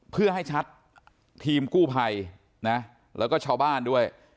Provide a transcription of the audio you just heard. เพื่อให้ชัดทีมกู้ภัยนะแล้วก็ชาวบ้านด้วย